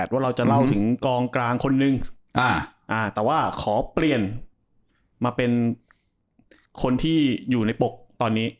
ว่าเราจะเล่าถึงกองกลางคนนึงแต่ว่าขอเปลี่ยนมาเป็นคนที่อยู่ในปกตอนนี้